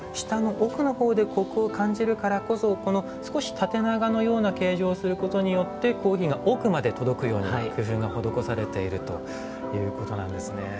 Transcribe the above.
舌の奥の方でコクを感じるからこそこの少し縦長のような形状をすることによってコーヒーが奥まで届くように工夫が施されているということなんですね。